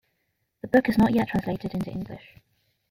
The book is not yet translated into English.